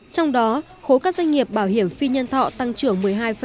trong đó khối các doanh nghiệp bảo hiểm phi nhân thọ tăng trưởng một mươi hai năm